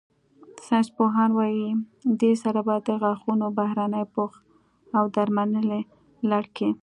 ساینسپوهان وايي، دې سره به د غاښونو بهرني پوښ او درملنې لړ کې